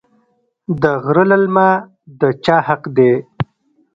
د غره للمه د چا حق دی؟